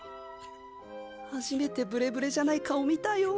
初めてブレブレじゃない顔見たよ。